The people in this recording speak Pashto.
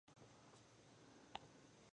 بوتل د یخ ساتلو وړتیا لري.